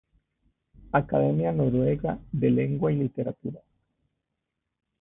Academia Noruega de Lengua y Literatura.